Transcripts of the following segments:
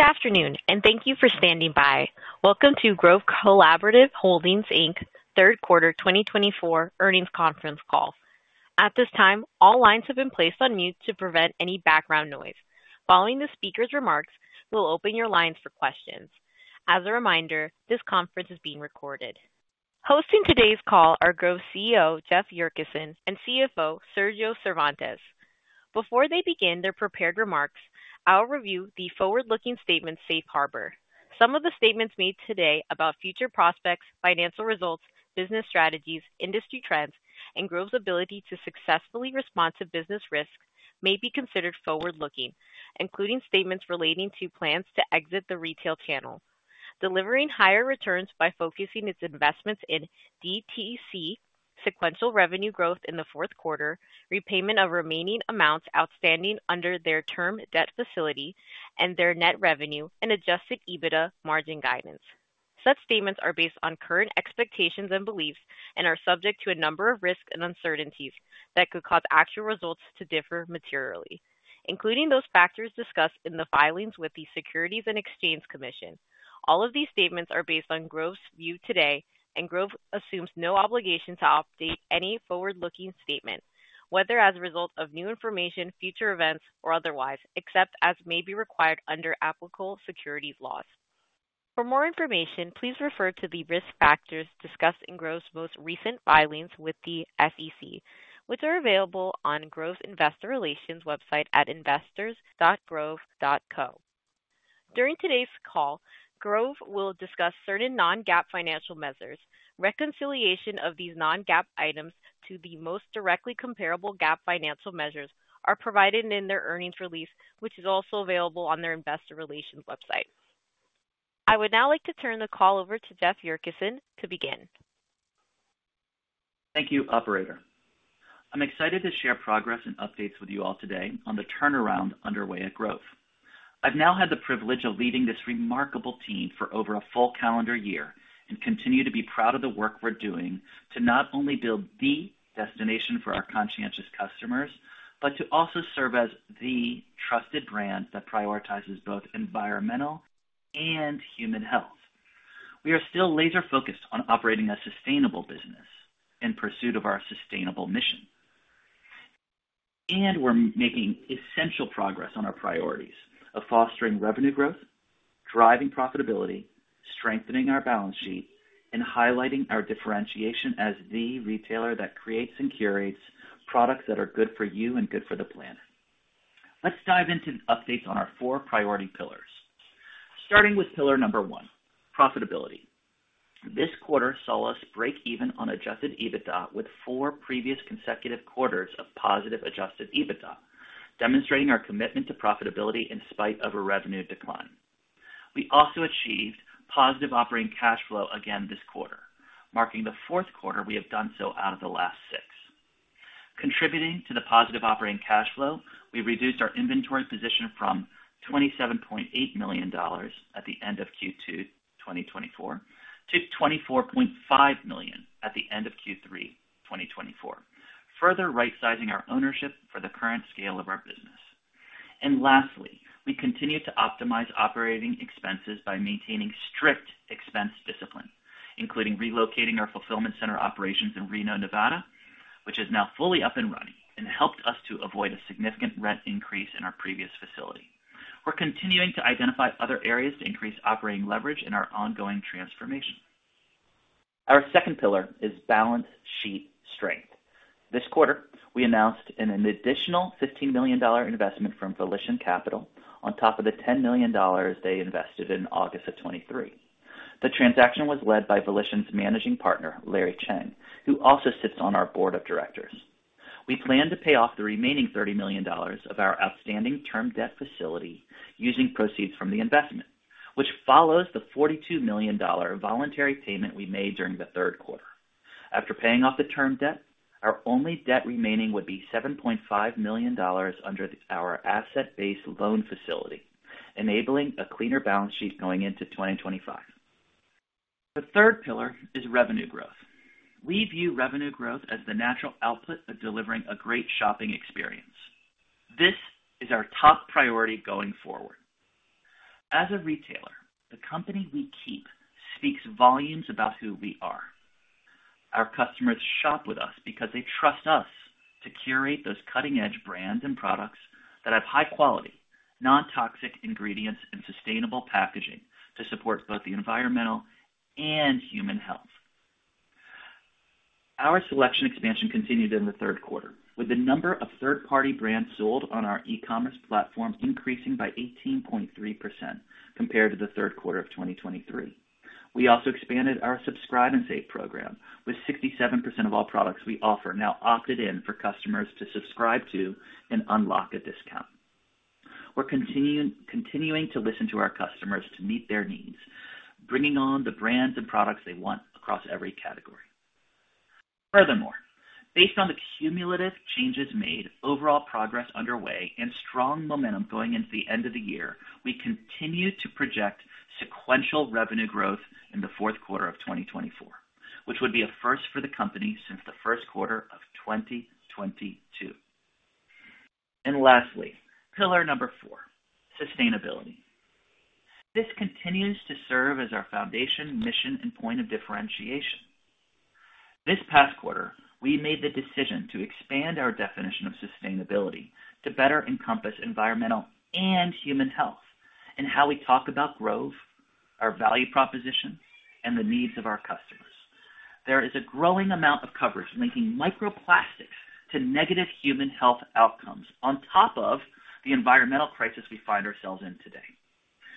Good afternoon, and thank you for standing by. Welcome to Grove Collaborative Holdings, Inc., Third Quarter 2024 Earnings Conference Call. At this time, all lines have been placed on mute to prevent any background noise. Following the speaker's remarks, we'll open your lines for questions. As a reminder, this conference is being recorded. Hosting today's call are Grove CEO Jeff Yurcisin and CFO Sergio Cervantes. Before they begin their prepared remarks, I'll review the forward-looking statements safe harbor. Some of the statements made today about future prospects, financial results, business strategies, industry trends, and Grove's ability to successfully respond to business risk may be considered forward-looking, including statements relating to plans to exit the retail channel, delivering higher returns by focusing its investments in DTC, sequential revenue growth in the fourth quarter, repayment of remaining amounts outstanding under their term debt facility, and their net revenue and Adjusted EBITDA margin guidance. Such statements are based on current expectations and beliefs and are subject to a number of risks and uncertainties that could cause actual results to differ materially, including those factors discussed in the filings with the Securities and Exchange Commission. All of these statements are based on Grove's view today, and Grove assumes no obligation to update any forward-looking statement, whether as a result of new information, future events, or otherwise, except as may be required under applicable securities laws. For more information, please refer to the risk factors discussed in Grove's most recent filings with the SEC, which are available on Grove's Investor Relations website at investors.grove.co. During today's call, Grove will discuss certain non-GAAP financial measures. Reconciliation of these non-GAAP items to the most directly comparable GAAP financial measures is provided in their earnings release, which is also available on their Investor Relations website. I would now like to turn the call over to Jeff Yurcisin to begin. Thank you, Operator. I'm excited to share progress and updates with you all today on the turnaround underway at Grove. I've now had the privilege of leading this remarkable team for over a full calendar year and continue to be proud of the work we're doing to not only build the destination for our conscientious customers, but to also serve as the trusted brand that prioritizes both environmental and human health. We are still laser-focused on operating a sustainable business in pursuit of our sustainable mission, and we're making essential progress on our priorities of fostering revenue growth, driving profitability, strengthening our balance sheet, and highlighting our differentiation as the retailer that creates and curates products that are good for you and good for the planet. Let's dive into the updates on our four priority pillars, starting with pillar number one, profitability. This quarter saw us break even on Adjusted EBITDA with four previous consecutive quarters of positive Adjusted EBITDA, demonstrating our commitment to profitability in spite of a revenue decline. We also achieved positive Operating Cash Flow again this quarter, marking the fourth quarter we have done so out of the last six. Contributing to the positive Operating Cash Flow, we reduced our inventory position from $27.8 million at the end of Q2 2024 to $24.5 million at the end of Q3 2024, further right-sizing our inventory for the current scale of our business. And lastly, we continue to optimize operating expenses by maintaining strict expense discipline, including relocating our fulfillment center operations in Reno, Nevada, which is now fully up and running and helped us to avoid a significant rent increase in our previous facility. We're continuing to identify other areas to increase operating leverage in our ongoing transformation. Our second pillar is balance sheet strength. This quarter, we announced an additional $15 million investment from Volition Capital on top of the $10 million they invested in August of 2023. The transaction was led by Volition's managing partner, Larry Cheng, who also sits on our board of directors. We plan to pay off the remaining $30 million of our outstanding term debt facility using proceeds from the investment, which follows the $42 million voluntary payment we made during the third quarter. After paying off the term debt, our only debt remaining would be $7.5 million under our asset-based loan facility, enabling a cleaner balance sheet going into 2025. The third pillar is revenue growth. We view revenue growth as the natural output of delivering a great shopping experience. This is our top priority going forward. As a retailer, the company we keep speaks volumes about who we are. Our customers shop with us because they trust us to curate those cutting-edge brands and products that have high-quality, non-toxic ingredients and sustainable packaging to support both the environmental and human health. Our selection expansion continued in the third quarter, with the number of third-party brands sold on our e-commerce platform increasing by 18.3% compared to the third quarter of 2023. We also expanded our Subscribe & Save program, with 67% of all products we offer now opted in for customers to subscribe to and unlock a discount. We're continuing to listen to our customers to meet their needs, bringing on the brands and products they want across every category. Furthermore, based on the cumulative changes made, overall progress underway, and strong momentum going into the end of the year, we continue to project sequential revenue growth in the fourth quarter of 2024, which would be a first for the company since the first quarter of 2022, and lastly, pillar number four, sustainability. This continues to serve as our foundation, mission, and point of differentiation. This past quarter, we made the decision to expand our definition of sustainability to better encompass environmental and human health in how we talk about Grove, our value proposition, and the needs of our customers. There is a growing amount of coverage linking microplastics to negative human health outcomes on top of the environmental crisis we find ourselves in today.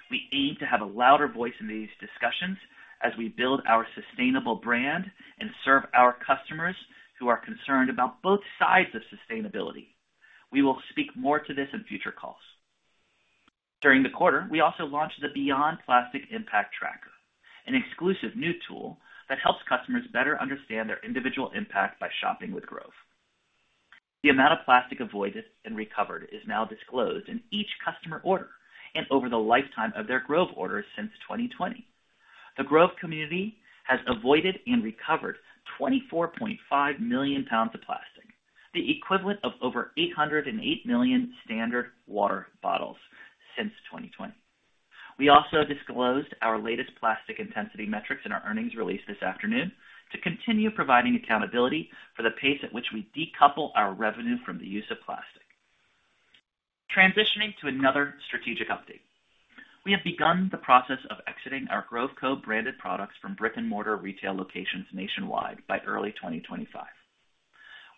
We aim to have a louder voice in these discussions as we build our sustainable brand and serve our customers who are concerned about both sides of sustainability. We will speak more to this in future calls. During the quarter, we also launched the Beyond Plastic Impact Tracker, an exclusive new tool that helps customers better understand their individual impact by shopping with Grove. The amount of plastic avoided and recovered is now disclosed in each customer order and over the lifetime of their Grove orders since 2020. The Grove community has avoided and recovered 24.5 million pounds of plastic, the equivalent of over 808 million standard water bottles since 2020. We also disclosed our latest plastic intensity metrics in our earnings release this afternoon to continue providing accountability for the pace at which we decouple our revenue from the use of plastic. Transitioning to another strategic update, we have begun the process of exiting our Grove Co branded products from brick-and-mortar retail locations nationwide by early 2025.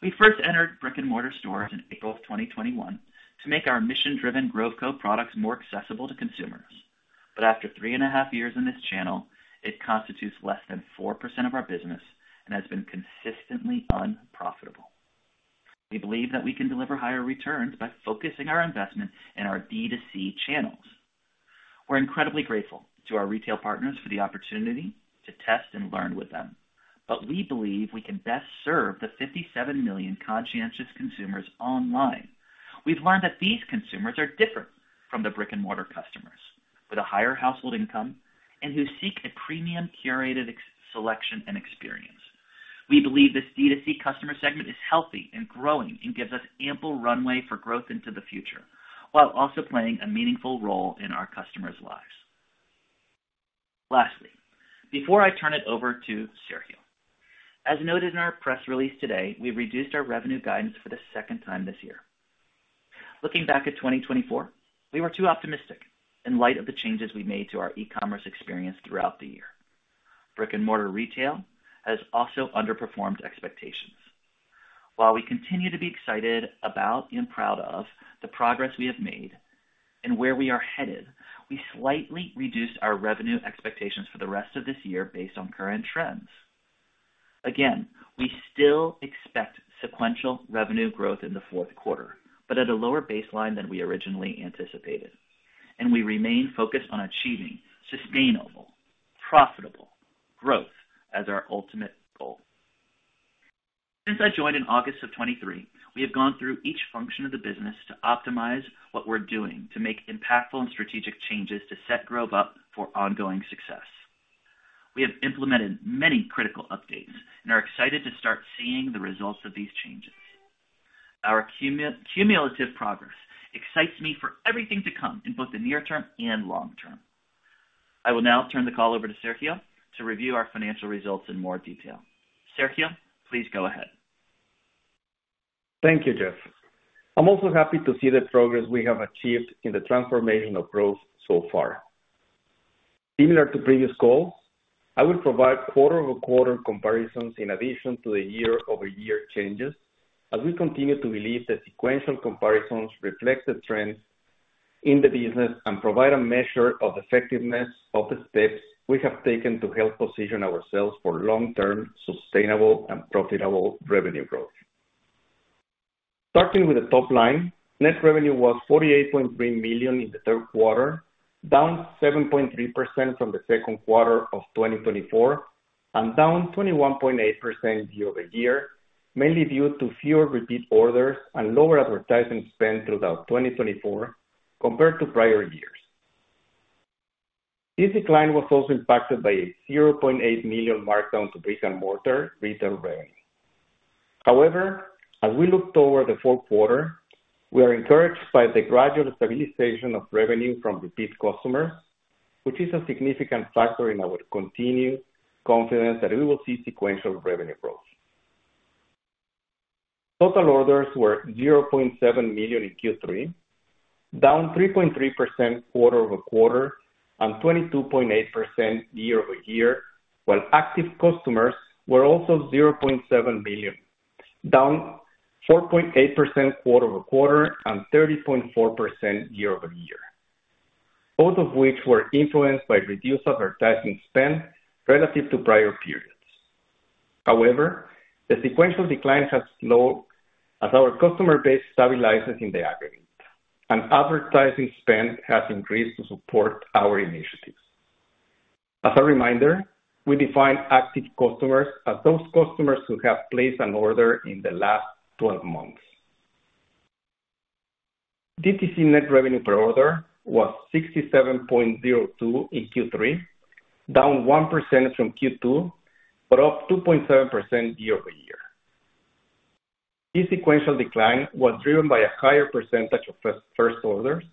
We first entered brick-and-mortar stores in April of 2021 to make our mission-driven Grove Co products more accessible to consumers. But after three and a half years in this channel, it constitutes less than 4% of our business and has been consistently unprofitable. We believe that we can deliver higher returns by focusing our investment in our D2C channels. We're incredibly grateful to our retail partners for the opportunity to test and learn with them, but we believe we can best serve the 57 million conscientious consumers online. We've learned that these consumers are different from the brick-and-mortar customers with a higher household income and who seek a premium curated selection and experience. We believe this D2C customer segment is healthy and growing and gives us ample runway for growth into the future while also playing a meaningful role in our customers' lives. Lastly, before I turn it over to Sergio, as noted in our press release today, we've reduced our revenue guidance for the second time this year. Looking back at 2024, we were too optimistic in light of the changes we made to our e-commerce experience throughout the year. Brick-and-mortar retail has also underperformed expectations. While we continue to be excited about and proud of the progress we have made and where we are headed, we slightly reduced our revenue expectations for the rest of this year based on current trends. Again, we still expect sequential revenue growth in the fourth quarter, but at a lower baseline than we originally anticipated, and we remain focused on achieving sustainable, profitable growth as our ultimate goal. Since I joined in August of 2023, we have gone through each function of the business to optimize what we're doing to make impactful and strategic changes to set Grove up for ongoing success. We have implemented many critical updates and are excited to start seeing the results of these changes. Our cumulative progress excites me for everything to come in both the near term and long term. I will now turn the call over to Sergio to review our financial results in more detail. Sergio, please go ahead. Thank you, Jeff. I'm also happy to see the progress we have achieved in the transformation of Grove so far. Similar to previous calls, I will provide quarter-over-quarter comparisons in addition to the year-over-year changes as we continue to believe that sequential comparisons reflect the trends in the business and provide a measure of effectiveness of the steps we have taken to help position ourselves for long-term, sustainable, and profitable revenue growth. Starting with the top line, net revenue was $48.3 million in the third quarter, down 7.3% from the second quarter of 2024, and down 21.8% year-over-year, mainly due to fewer repeat orders and lower advertising spend throughout 2024 compared to prior years. This decline was also impacted by a $0.8 million markdown to brick-and-mortar retail revenue. However, as we look toward the fourth quarter, we are encouraged by the gradual stabilization of revenue from repeat customers, which is a significant factor in our continued confidence that we will see sequential revenue growth. Total orders were 0.7 million in Q3, down 3.3% quarter-over-quarter and 22.8% year-over-year, while active customers were also 0.7 million, down 4.8% quarter-over-quarter and 30.4% year-over-year, both of which were influenced by reduced advertising spend relative to prior periods. However, the sequential decline has slowed as our customer base stabilizes in the aggregate, and advertising spend has increased to support our initiatives. As a reminder, we define active customers as those customers who have placed an order in the last 12 months. DTC net revenue per order was $67.02 in Q3, down 1% from Q2, but up 2.7% year-over-year. This sequential decline was driven by a higher percentage of first orders,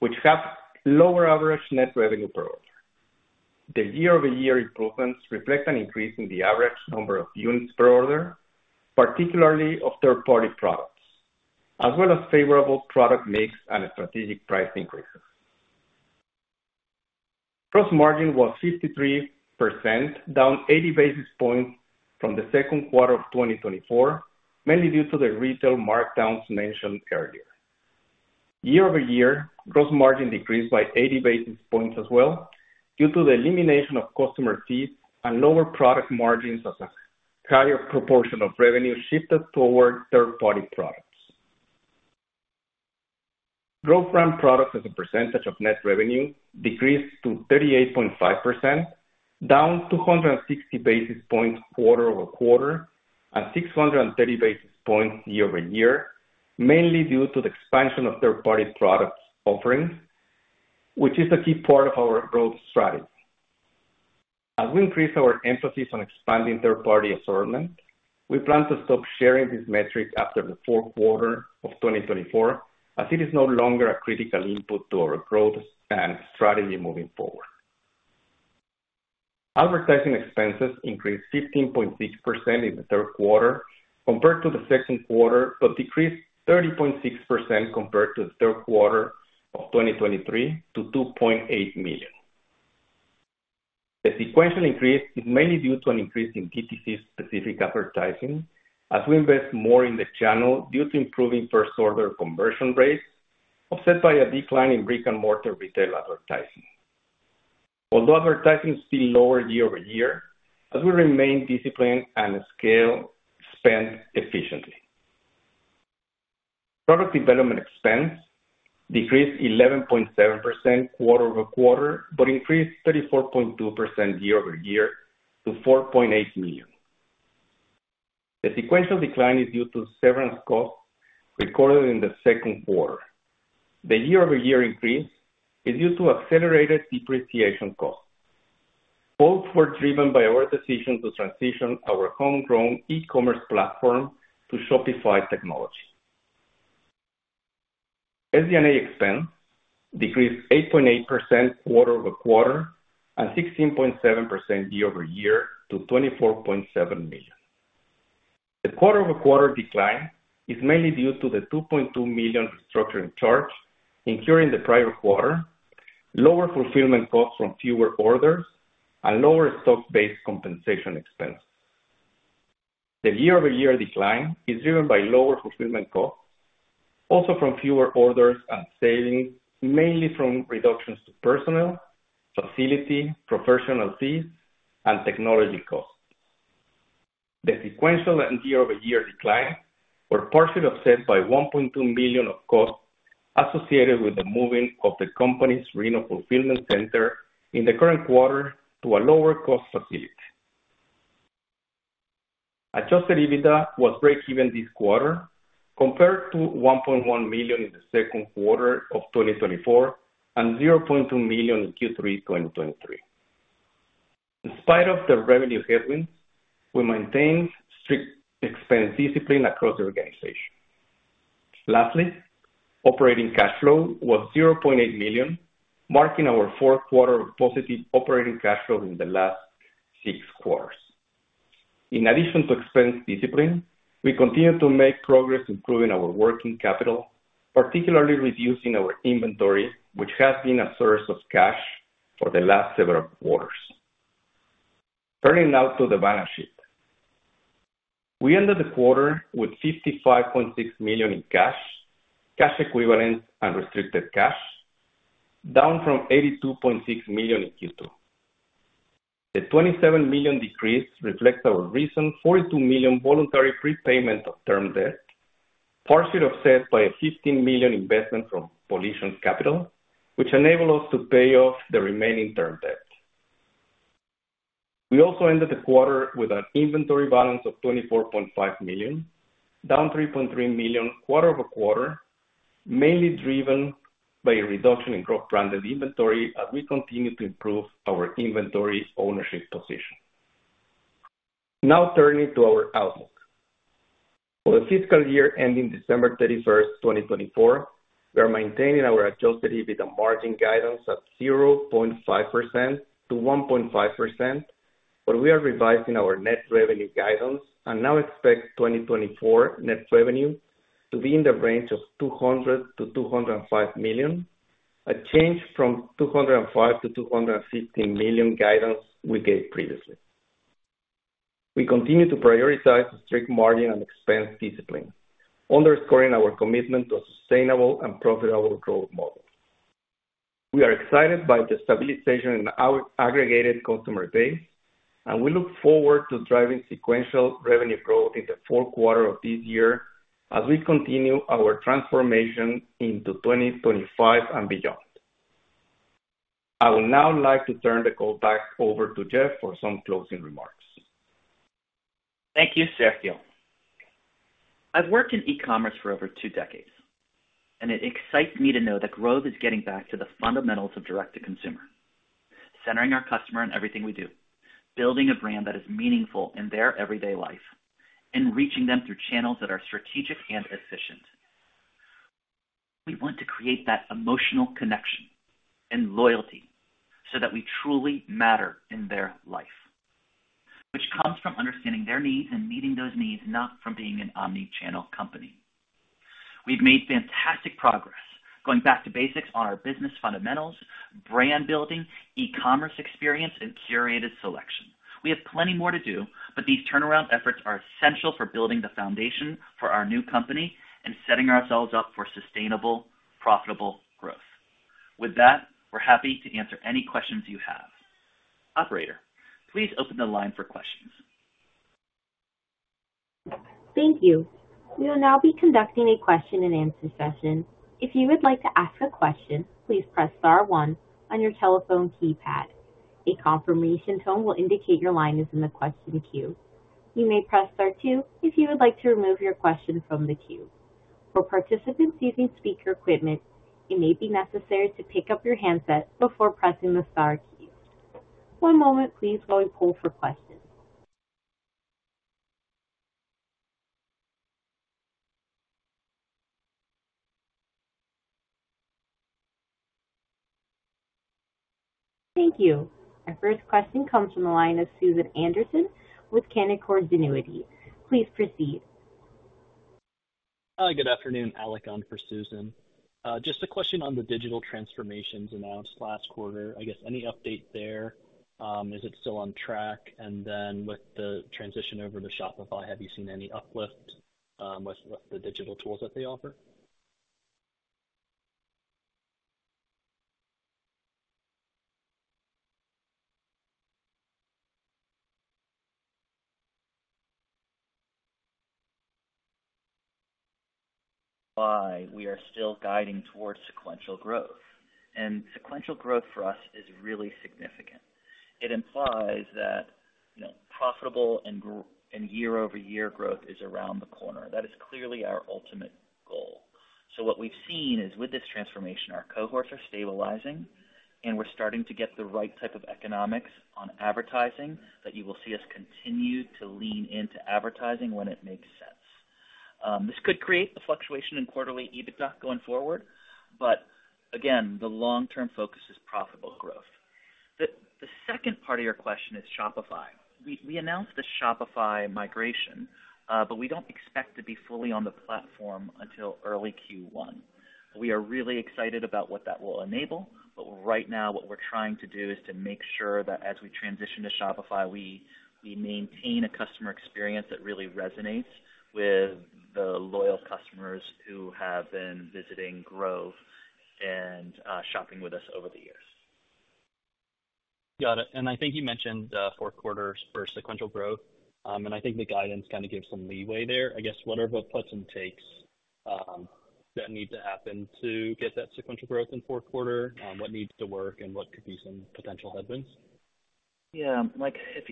which have lower average net revenue per order. The year-over-year improvements reflect an increase in the average number of units per order, particularly of third-party products, as well as favorable product mix and strategic price increases. Gross margin was 53%, down 80 basis points from the second quarter of 2024, mainly due to the retail markdowns mentioned earlier. Year-over-year, gross margin decreased by 80 basis points as well due to the elimination of customer fees and lower product margins as a higher proportion of revenue shifted toward third-party products. Grove Brand products as a percentage of net revenue decreased to 38.5%, down 260 basis points quarter-over-quarter and 630 basis points year-over-year, mainly due to the expansion of third-party products offerings, which is a key part of our growth strategy. As we increase our emphasis on expanding third-party assortment, we plan to stop sharing this metric after the fourth quarter of 2024 as it is no longer a critical input to our growth and strategy moving forward. Advertising expenses increased 15.6% in the third quarter compared to the second quarter, but decreased 30.6% compared to the third quarter of 2023 to $2.8 million. The sequential increase is mainly due to an increase in DTC-specific advertising as we invest more in the channel due to improving first-order conversion rates, offset by a decline in brick-and-mortar retail advertising. Although advertising is still lower year-over-year, as we remain disciplined and scale spend efficiently. Product development expense decreased 11.7% quarter-over-quarter, but increased 34.2% year-over-year to $4.8 million. The sequential decline is due to severance costs recorded in the second quarter. The year-over-year increase is due to accelerated depreciation costs. Both were driven by our decision to transition our homegrown e-commerce platform to Shopify technology. SG&A expense decreased 8.8% quarter-over-quarter and 16.7% year-over-year to $24.7 million. The quarter-over-quarter decline is mainly due to the $2.2 million restructuring charge incurred in the prior quarter, lower fulfillment costs from fewer orders, and lower stock-based compensation expenses. The year-over-year decline is driven by lower fulfillment costs, also from fewer orders and savings, mainly from reductions to personnel, facility, professional fees, and technology costs. The sequential and year-over-year decline were partially offset by $1.2 million of costs associated with the moving of the company's Reno Fulfillment Center in the current quarter to a lower-cost facility. Adjusted EBITDA was break-even this quarter, compared to $1.1 million in the second quarter of 2024 and $0.2 million in Q3 2023. In spite of the revenue headwinds, we maintained strict expense discipline across the organization. Lastly, operating cash flow was $0.8 million, marking our fourth quarter of positive operating cash flow in the last six quarters. In addition to expense discipline, we continue to make progress improving our working capital, particularly reducing our inventory, which has been a source of cash for the last several quarters. Turning now to the balance sheet. We ended the quarter with $55.6 million in cash, cash equivalent, and restricted cash, down from $82.6 million in Q2. The $27 million decrease reflects our recent $42 million voluntary prepayment of term debt, partially offset by a $15 million investment from Volition Capital, which enabled us to pay off the remaining term debt. We also ended the quarter with an inventory balance of $24.5 million, down $3.3 million quarter-over-quarter, mainly driven by a reduction in Grove branded inventory as we continue to improve our inventory ownership position. Now turning to our outlook. For the fiscal year ending December 31st, 2024, we are maintaining our Adjusted EBITDA margin guidance at 0.5%-1.5%, but we are revising our net revenue guidance and now expect 2024 net revenue to be in the range of $200-205 million, a change from $205 to $215 million guidance we gave previously. We continue to prioritize strict margin and expense discipline, underscoring our commitment to a sustainable and profitable growth model. We are excited by the stabilization in our aggregated customer base, and we look forward to driving sequential revenue growth in the fourth quarter of this year as we continue our transformation into 2025 and beyond. I would now like to turn the call back over to Jeff for some closing remarks. Thank you, Sergio. I've worked in e-commerce for over two decades, and it excites me to know that Grove is getting back to the fundamentals of direct-to-consumer, centering our customer in everything we do, building a brand that is meaningful in their everyday life, and reaching them through channels that are strategic and efficient. We want to create that emotional connection and loyalty so that we truly matter in their life, which comes from understanding their needs and meeting those needs, not from being an omnichannel company. We've made fantastic progress going back to basics on our business fundamentals, brand building, e-commerce experience, and curated selection. We have plenty more to do, but these turnaround efforts are essential for building the foundation for our new company and setting ourselves up for sustainable, profitable growth. With that, we're happy to answer any questions you have. Operator, please open the line for questions. Thank you. We will now be conducting a question-and-answer session. If you would like to ask a question, please press star one on your telephone keypad. A confirmation tone will indicate your line is in the question queue. You may press star two if you would like to remove your question from the queue. For participants using speaker equipment, it may be necessary to pick up your handset before pressing the star key. One moment, please, while we pull for questions. Thank you. Our first question comes from the line of Susan Anderson with Canaccord Genuity. Please proceed. Hi, good afternoon. Alex on for Susan. Just a question on the digital transformations announced last quarter. I guess any update there? Is it still on track? And then with the transition over to Shopify, have you seen any uplift with the digital tools that they offer? Why we are still guiding towards sequential growth, and sequential growth for us is really significant. It implies that profitable and year-over-year growth is around the corner. That is clearly our ultimate goal, so what we've seen is with this transformation, our cohorts are stabilizing, and we're starting to get the right type of economics on advertising that you will see us continue to lean into advertising when it makes sense. This could create the fluctuation in quarterly EBITDA going forward, but again, the long-term focus is profitable growth. The second part of your question is Shopify. We announced the Shopify migration, but we don't expect to be fully on the platform until early Q1. We are really excited about what that will enable, but right now, what we're trying to do is to make sure that as we transition to Shopify, we maintain a customer experience that really resonates with the loyal customers who have been visiting Grove and shopping with us over the years. Got it and I think you mentioned fourth quarter for sequential growth, and I think the guidance kind of gives some leeway there. I guess, what are the puts and takes that need to happen to get that sequential growth in fourth quarter? What needs to work, and what could be some potential headwinds? Yeah.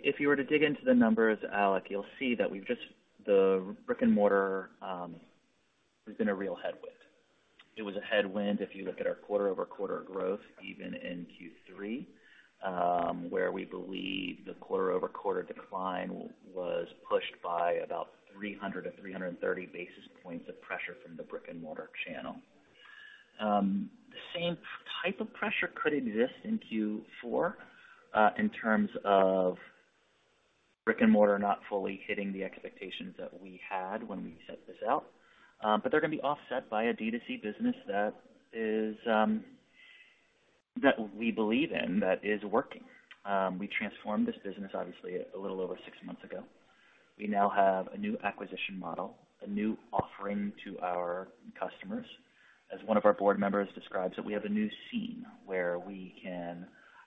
If you were to dig into the numbers, Alex, you'll see that we've just, the brick-and-mortar has been a real headwind. It was a headwind if you look at our quarter-over-quarter growth, even in Q3, where we believe the quarter-over-quarter decline was pushed by about 300 to 330 basis points of pressure from the brick-and-mortar channel. The same type of pressure could exist in Q4 in terms of brick-and-mortar not fully hitting the expectations that we had when we set this out, but they're going to be offset by a DTC business that we believe in that is working. We transformed this business, obviously, a little over six months ago. We now have a new acquisition model, a new offering to our customers. As one of our board members describes it, we have a new seam where we can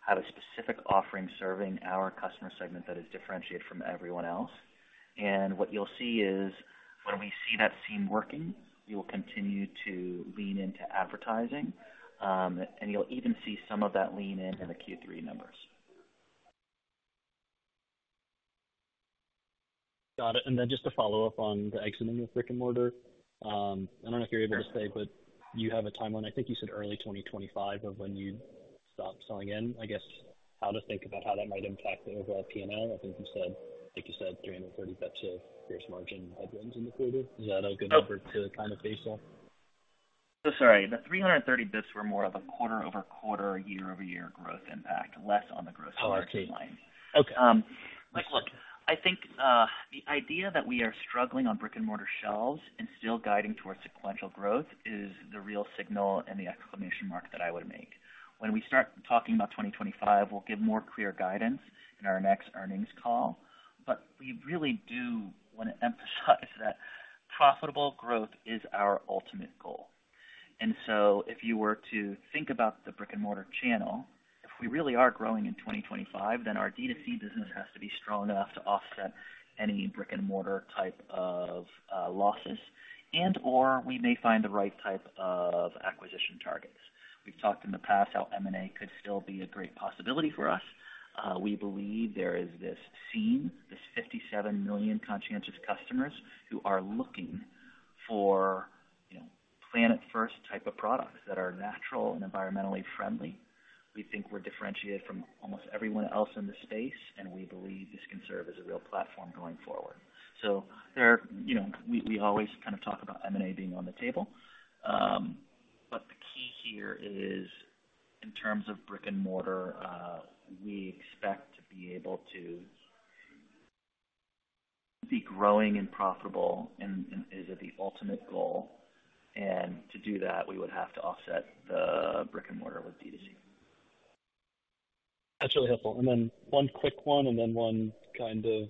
have a specific offering serving our customer segment that is differentiated from everyone else, and what you'll see is when we see that seam working, we will continue to lean into advertising, and you'll even see some of that lean into the Q3 numbers. Got it. And then just to follow up on the exiting of brick-and-mortar, I don't know if you're able to say, but you have a timeline. I think you said early 2025 of when you'd stop selling in. I guess how to think about how that might impact the overall P&L. I think you said, like you said, 330 basis points of gross margin headwinds in the quarter. Is that a good number to kind of base off? Sorry. The 330 basis points were more of a quarter-over-quarter, year-over-year growth impact, less on the gross margin line. Oh, I see. Okay. Look, I think the idea that we are struggling on brick-and-mortar shelves and still guiding towards sequential growth is the real signal and the exclamation mark that I would make. When we start talking about 2025, we'll give more clear guidance in our next earnings call, but we really do want to emphasize that profitable growth is our ultimate goal. And so if you were to think about the brick-and-mortar channel, if we really are growing in 2025, then our DTC business has to be strong enough to offset any brick-and-mortar type of losses, and/or we may find the right type of acquisition targets. We've talked in the past how M&A could still be a great possibility for us. We believe there is this sea, this 57 million conscientious customers who are looking for planet-first type of products that are natural and environmentally friendly. We think we're differentiated from almost everyone else in the space, and we believe this can serve as a real platform going forward. So we always kind of talk about M&A being on the table, but the key here is in terms of brick-and-mortar, we expect to be able to be growing and profitable is the ultimate goal, and to do that, we would have to offset the brick-and-mortar with DTC. That's really helpful. And then one quick one and then one kind of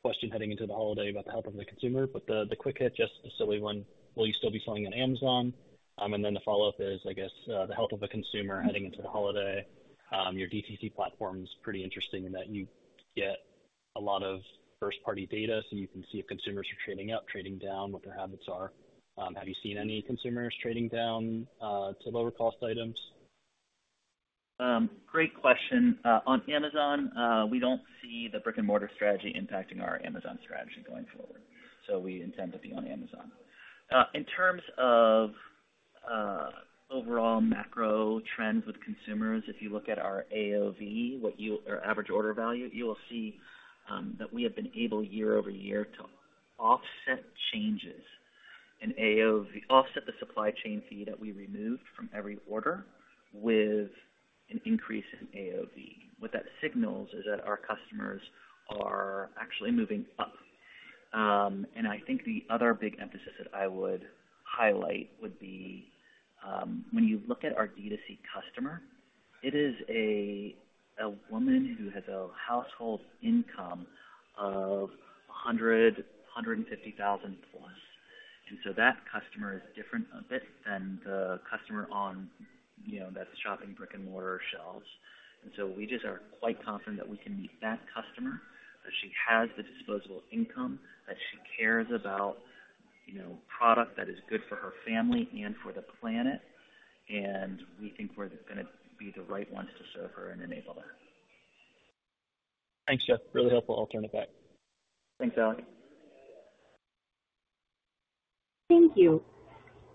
question heading into the holiday about the health of the consumer, but the quick hit, just the silly one, will you still be selling on Amazon? And then the follow-up is, I guess, the health of the consumer heading into the holiday. Your DTC platform is pretty interesting in that you get a lot of first-party data, so you can see if consumers are trading up, trading down, what their habits are. Have you seen any consumers trading down to lower-cost items? Great question. On Amazon, we don't see the brick-and-mortar strategy impacting our Amazon strategy going forward, so we intend to be on Amazon. In terms of overall macro trends with consumers, if you look at our AOV, our average order value, you will see that we have been able year over year to offset changes in AOV, offset the supply chain fee that we removed from every order with an increase in AOV. What that signals is that our customers are actually moving up, and I think the other big emphasis that I would highlight would be when you look at our DTC customer, it is a woman who has a household income of $100,000 to $150,000 plus, and so that customer is different a bit than the customer that's shopping brick-and-mortar shelves. And so, we just are quite confident that we can meet that customer, that she has the disposable income, that she cares about product that is good for her family and for the planet, and we think we're going to be the right ones to serve her and enable that. Thanks, Jeff. Really helpful. I'll turn it back. Thanks, Alex. Thank you.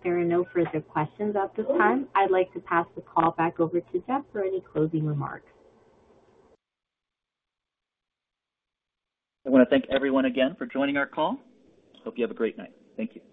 There are no further questions at this time. I'd like to pass the call back over to Jeff for any closing remarks. I want to thank everyone again for joining our call. Hope you have a great night. Thank you.